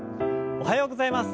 おはようございます。